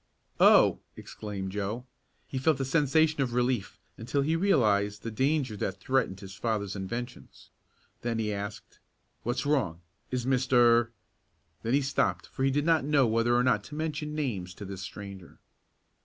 "Oh!" exclaimed Joe. He felt a sensation of relief until he realized the danger that threatened his father's inventions. Then he asked: "What's wrong? Is Mr. " Then he stopped for he did not know whether or not to mention names to this stranger.